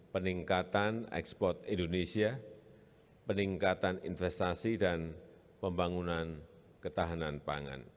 peningkatan ekspor indonesia peningkatan investasi dan pembangunan ketahanan pangan